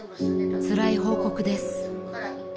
［つらい報告です］